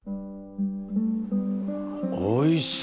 おいしい！